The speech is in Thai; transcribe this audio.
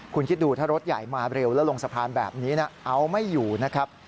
คุณคิดดูถ้ารถใหญ่มาเร็วแล้วลงสะพานแบบนี้นะเอาไม่อยู่นะครับ